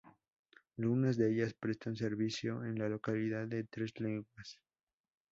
Algunas de ellas prestan servicio en la localidad de Tres Leguas.